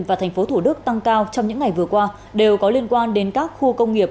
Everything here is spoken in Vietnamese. và thành phố thủ đức tăng cao trong những ngày vừa qua đều có liên quan đến các khu công nghiệp